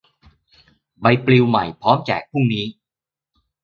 ใบปลิวใหม่ พร้อมแจกพรุ่งนี้